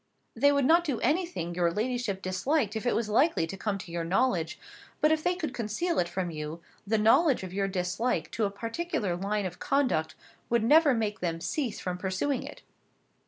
"They would not do anything your ladyship disliked if it was likely to come to your knowledge; but if they could conceal it from you, the knowledge of your dislike to a particular line of conduct would never make them cease from pursuing it."